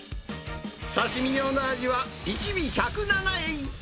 刺身用のアジは１尾１０７円。